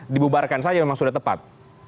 dibubarkan saja memang sudah tepat